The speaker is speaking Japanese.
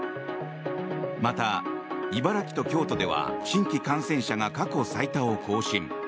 また、茨城と京都では新規感染者が過去最多を更新。